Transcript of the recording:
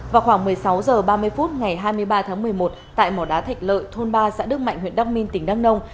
vào khoảng một mươi sáu h ba mươi phút ngày hai mươi ba tháng một mươi một tại mỏ đá thạch lợi thôn ba xã đức mạnh huyện đăng minh tỉnh đăng nông